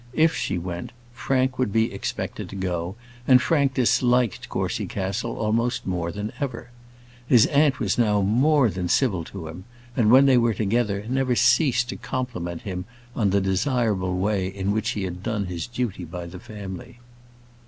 If she went, Frank would be expected to go, and Frank disliked Courcy Castle almost more than ever. His aunt was now more than civil to him, and, when they were together, never ceased to compliment him on the desirable way in which he had done his duty by his family.